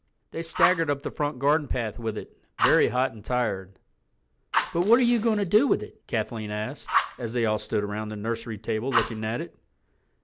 They staggered up the front garden path with it, very hot and tired. "But what are you going to do with it?" Kathleen asked, as they all stood around the nursery table looking at it.